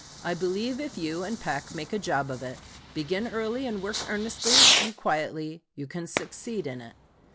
I believe if you and Peck make a job of it, begin early and work earnestly and quietly, you can succeed in it.